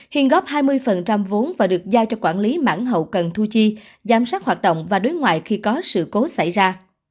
hiền góp hai mươi vốn và được giao cho quản lý mãng hậu cần thu chi giám sát hoạt động và đối ngoại khi có sự cố xảy ra